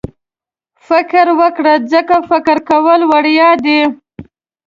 فکر وکړه ځکه فکر کول وړیا دي.